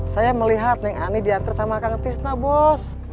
saya melihat nih ani diantar sama kang tisna bos